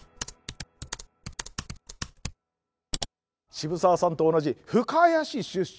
渋沢さんと同じ深谷市出身